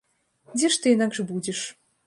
Дзе ж ты інакш будзеш.